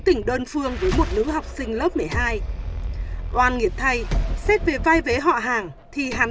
tình đơn phương với một nữ học sinh lớp một mươi hai oan nghiệt thay xét về vai vế họ hàng thì hắn